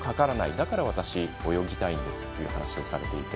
だから私泳ぎたいんですというお話をされていて。